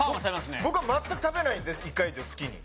僕は全く食べないんで１回以上月に。